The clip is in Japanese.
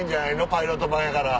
パイロット版やから。